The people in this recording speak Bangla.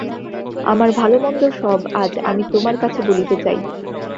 আমার ভালোমন্দ সব আজ আমি তোমার কাছে বলিতে চাই।